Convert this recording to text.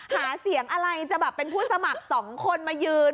หาเสียงอะไรจะแบบเป็นผู้สมัครสองคนมายืน